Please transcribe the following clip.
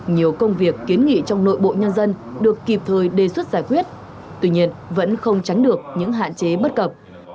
nhiều công việc kiến nghị trong nội bộ nhân dân được kịp thời đề xuất giải quyết tuy nhiên vẫn không tránh được những hạn chế bất cập